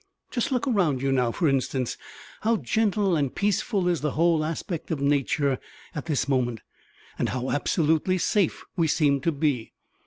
Just look around you now, for instance. How gentle and peaceful is the whole aspect of nature at this moment, and how absolutely safe we seem to be!